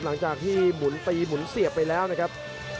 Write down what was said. หลังจากที่หมุนตีหมุนเสียบไปแล้วนะครับ